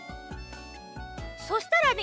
そしたらね